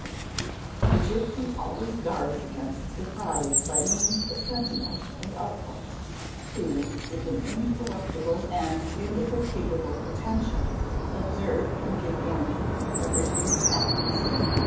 : The gipsy always guards against surprise by means of sentinels an outposts, who, with an incorruptible and indefatigable attention, observe and give warning of everything that happens.